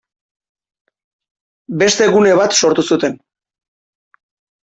Beste gune bat sortu zuten.